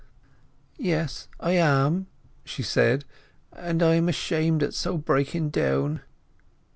"Yes, I am," she said; "and I am ashamed at so breaking down."